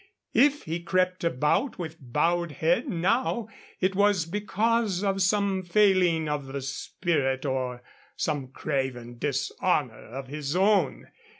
If he crept about with bowed head now, it was because of some failing of the spirit or some craven dishonor of his own.